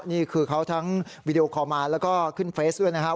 นี่คือเขาทั้งวีดีโอคอลมาแล้วก็ขึ้นเฟซด้วยนะครับ